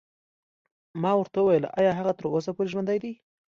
ما ورته وویل چې ایا هغه تر اوسه پورې ژوندی دی.